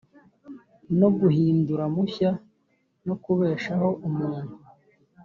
no guhindura mushya no kubeshaho umuntu.